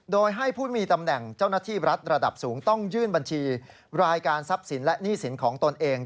โดยให้ผู้มีตำแหน่งเจ้าหน้าที่รัฐระดับสูงต้องยื่นบัญชีรายการทรัพย์สินและหนี้สินของตนเอง